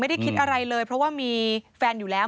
ไม่ได้คิดอะไรเลยเพราะว่ามีแฟนอยู่แล้ว